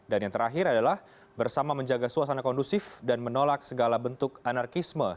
dan yang terakhir adalah bersama menjaga suasana kondusif dan menolak segala bentuk anarkisme